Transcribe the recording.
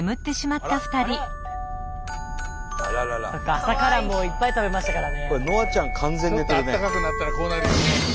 朝からいっぱい食べましたからね。